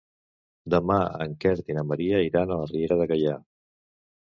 Demà en Quer i na Maria iran a la Riera de Gaià.